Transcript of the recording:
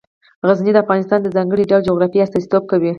غزني د افغانستان د ځانګړي ډول جغرافیه استازیتوب کوي.